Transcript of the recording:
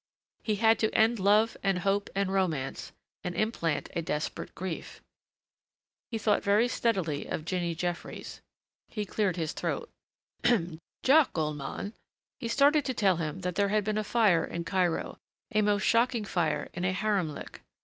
He had to end love and hope and romance and implant a desperate grief.... He thought very steadily of Jinny Jeffries. He cleared his throat. "Jack, old man " He started to tell him that there had been a fire in Cairo, a most shocking fire in a haremlik.